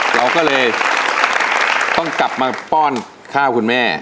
เราก็เลยต้องกลับมาป้อนข้าวคุณแม่